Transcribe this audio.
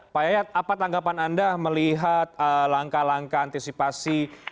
pak yayat apa tanggapan anda melihat langkah langkah antisipasi